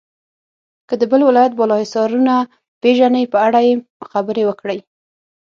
که د بل ولایت بالا حصارونه پیژنئ په اړه یې خبرې وکړئ.